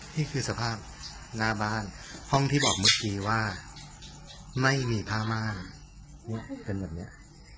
นี่คือสภาพหน้าบ้านห้องที่บอกเมื่อกี้ว่าไม่มีผ้าม่าเนี่ยเป็นแบบนี้